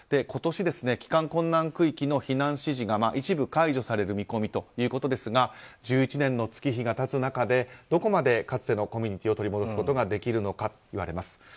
今年、帰還困難区域の避難指示が一部解除される見込みということですが１１年の月日が経つ中でどこまでかつてのコミュニティーを取り戻すことができるのかといわれます。